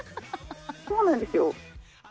そうなんですよ。